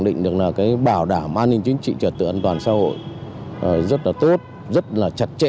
tùy với số lượng lớn